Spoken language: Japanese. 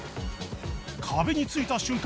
壁についた瞬間